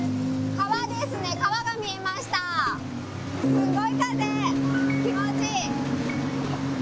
すごい風、気持ちいい。